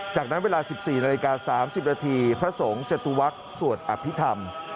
จากนั้นเวลา๑๔นาฬิกา๓๐นาทีพระสงฆ์จตุวักษ์สวดอภิษฐรรม